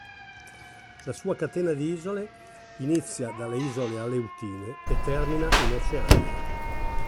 La sua catena di isole inizia dalle isole Aleutine e termina in Oceania.